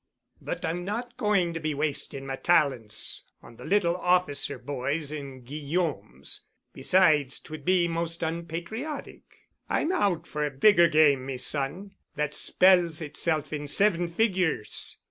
"But I'm not going to be wasting my talents on the little officer boys in Guillaume's. Besides, 'twould be most unpatriotic. I'm out for bigger game, me son, that spells itself in seven figures.